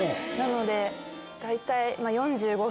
なので大体。